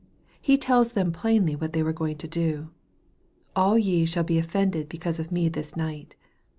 He tells them plainly what they were going to do. " All ye shall be offended because of me this night."